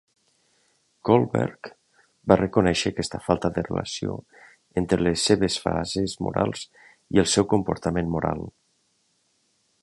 Kohlberg va reconèixer aquesta falta de relació entre les seves fases morals i el seu comportament moral.